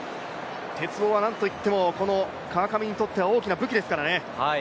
鉄棒はなんといっても川上にとっては大きな武器ですからね。